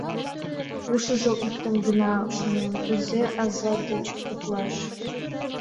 Ушыжо иктым гына шонен: «Кузе аза деч утлаш?!